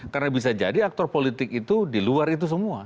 karena bisa jadi aktor politik itu di luar itu semua